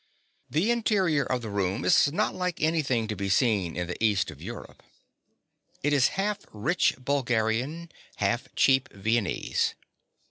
The interior of the room is not like anything to be seen in the east of Europe. It is half rich Bulgarian, half cheap Viennese.